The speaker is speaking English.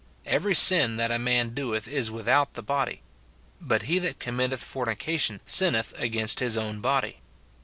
Every sin that a man cloeth is without the body ; but he that committeth fornication sinneth against his own body."